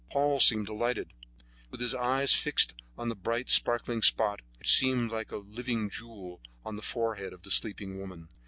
Paul seemed delighted, with his eyes fixed on the bright, sparkling spot, which looked like a living jewel on the forehead of the sleeping woman.